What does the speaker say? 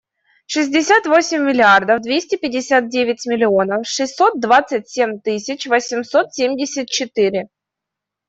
Шестьдесят восемь миллиардов двести пятьдесят девять миллионов шестьсот двадцать семь тысяч восемьсот семьдесят четыре.